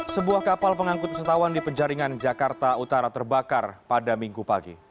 sebuah kapal pengangkut wisatawan di penjaringan jakarta utara terbakar pada minggu pagi